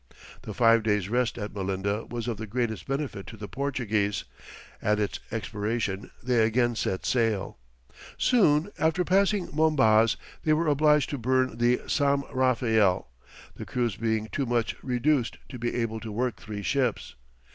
The five days' rest at Melinda was of the greatest benefit to the Portuguese, at its expiration they again set sail. Soon after passing Mombaz they were obliged to burn the Sam Raphael, the crews being too much reduced to be able to work three ships.